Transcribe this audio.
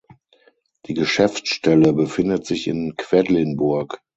Die Geschäftsstelle befindet sich in Quedlinburg.